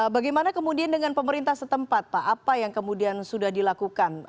bagaimana kemudian dengan pemerintah setempat pak apa yang kemudian sudah dilakukan